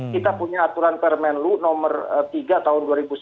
kita punya aturan permen lu nomor tiga tahun dua ribu sembilan belas